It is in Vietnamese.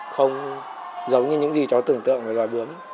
không giống như những gì cháu tưởng tượng về loài bướm